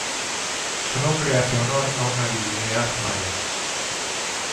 Su nombre hace honor a una divinidad maya.